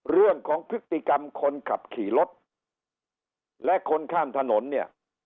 เรื่องของพฤติกรรมคนขับขี่รถและคนข้ามถนนเนี่ย